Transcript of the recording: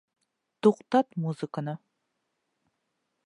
Туҡтат музыканы!